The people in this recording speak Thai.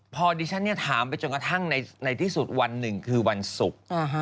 พอดีฉันถามไปจนกระทั่งในที่สุดวันหนึ่งคือวันศุกร์